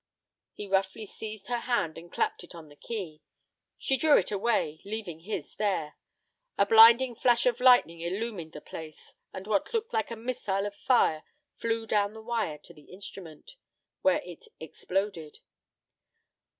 He roughly seized her hand and clapped it on the key. She drew it away, leaving his there. A blinding flash of lightning illumined the place, and what looked like a missile of fire flew down the wire to the instrument, where it exploded.